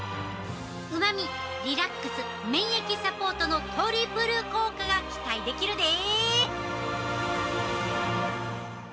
うまみ、リラックス免疫サポートのトリプル効果が期待できるで！